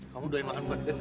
kamu doyan makan pedas ya